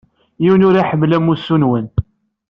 Yiwen ur iḥemmel amussu-nwen.